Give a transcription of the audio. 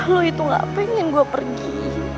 lu itu gak pengen gue pergi